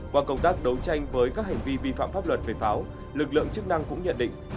qua công tác đấu tranh với các hành vi vi phạm pháp luật về pháo lực lượng chức năng cũng nhận định